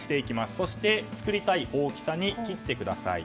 そして、作りたい大きさに切ってください。